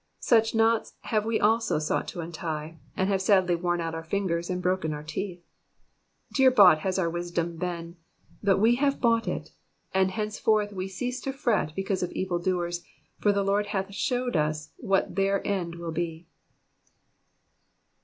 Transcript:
Such knots have we also sought to untie, and have sadly worn our fingers and broken our teeth. Dear bought has our wisdom been, but we have bought it ; and, henceforth, we cease to fret because of evil doers, for the Lord hath showed us what their end will be.